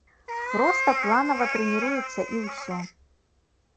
Проста планава трэніруюцца і ўсё.